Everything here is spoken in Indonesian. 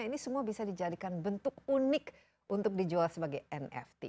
ini semua bisa dijadikan bentuk unik untuk dijual sebagai nft